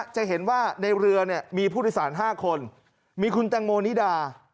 จะเห็นว่าในเรือมีผู้โดยสาร๕คนมีคุณแตงโมนิดา